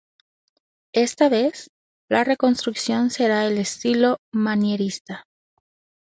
Esta vez, la reconstrucción será en estilo manierista.